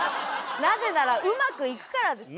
なぜならうまくいくからですよ。